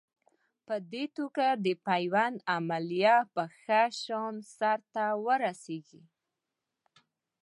په دې توګه د پیوند عملیه په ښه شان سر ته ورسېږي.